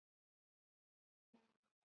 番歆之弟番苗打算复仇。